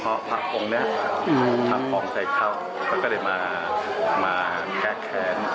เพราะพระองค์เนี้ยอืมพระองค์ใส่เข้าเขาก็ได้มามาแกะแขน